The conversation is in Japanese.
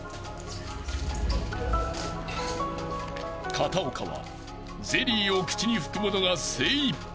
［片岡はゼリーを口に含むのが精いっぱい］